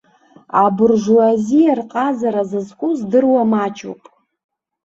Абуржуазиаа рҟазара зызку здыруа маҷуп.